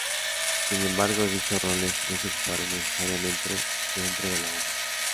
Sin embargo dichos roles no se ocuparon necesariamente dentro de la banda.